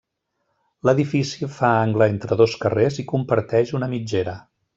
L'edifici fa angle entre dos carrers i comparteix una mitgera.